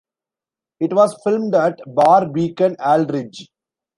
It was filmed at Barr Beacon, Aldridge.